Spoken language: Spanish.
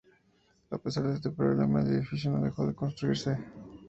A pesar de este problema el edificio no dejó de construirse.